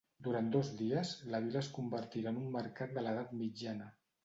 Durant dos dies la vila es convertirà en un mercat de l’edat mitjana.